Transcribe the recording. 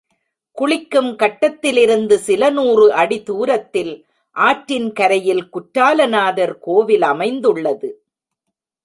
குளிக்கும் கட்டத்திலிருந்து சில நூறு அடி தூரத்தில், ஆற்றின் கரையில் குற்றால நாதர் கோவிலமைந்துள்ளது.